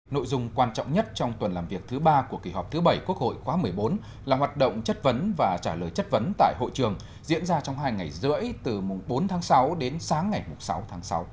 nội dung quan trọng nhất trong tuần làm việc thứ ba của kỳ họp thứ bảy quốc hội khóa một mươi bốn là hoạt động chất vấn và trả lời chất vấn tại hội trường diễn ra trong hai ngày rưỡi từ bốn tháng sáu đến sáng ngày sáu tháng sáu